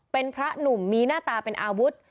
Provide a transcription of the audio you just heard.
เป็นพระหนุ่มมีหน้าตาเป็นอาวุธ